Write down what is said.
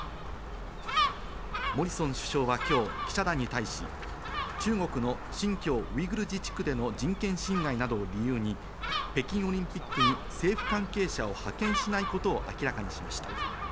モリソン首相は今日記者団に対し、中国の新疆ウイグル自治区での人権侵害などを理由に北京オリンピックに政府関係者を派遣しないことを明らかにしました。